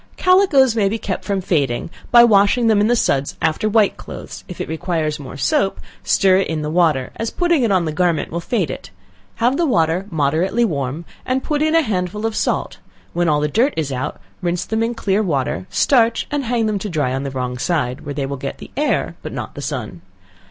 Calicoes may be kept from fading by washing them in the suds after white clothes, if it requires more soap, stir it in the water, as putting it on the garment will fade it, have the water moderately warm, and put in a handful of salt, when all the dirt is out, rinse them in clean water, starch, and hang them to dry on the wrong side, where they will get the air but not the sun.